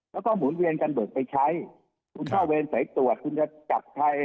แล้วก็หมุนเวียนกันเบิกไปใช้คุณเข้าเวรสายตรวจคุณจะจับใคร